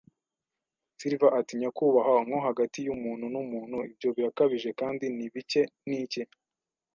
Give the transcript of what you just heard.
Silver ati: "Nyakubahwa, nko hagati y'umuntu n'umuntu, ibyo birakabije kandi ni bike. Niki